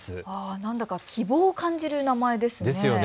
なんだか希望を感じる名前ですね。